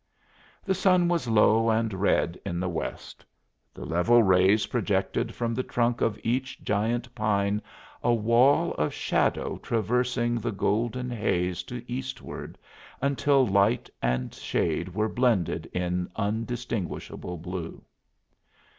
The sun was low and red in the west; the level rays projected from the trunk of each giant pine a wall of shadow traversing the golden haze to eastward until light and shade were blended in undistinguishable blue.